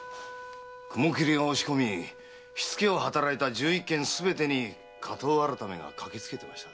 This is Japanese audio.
雲切が押し込み火付けをはたらいた十一軒すべてに火盗改が駆け付けてました。